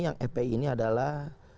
yang epi ini adalah